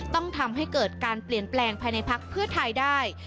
ต้องทำให้เกิดการเปลี่ยนแปลงภายในพักเพื่อไทยได้